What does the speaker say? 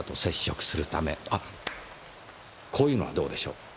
こういうのはどうでしょう？